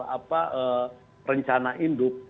apa rencana induk